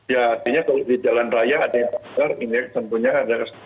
ya artinya kalau di jalan raya ada yang pasar ini ya tentunya ada